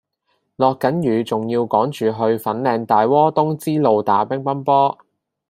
落緊雨仲要趕住去粉嶺大窩東支路打乒乓波